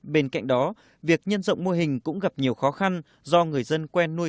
bên cạnh đó việc nhân rộng mô hình cũng gặp nhiều khó khăn do người dân quen nuôi